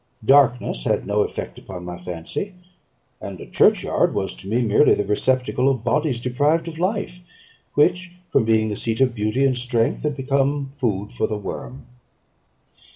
Darkness had no effect upon my fancy; and a churchyard was to me merely the receptacle of bodies deprived of life, which, from being the seat of beauty and strength, had become food for the worm.